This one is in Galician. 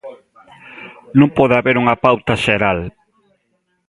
Non pode haber unha pauta xeral.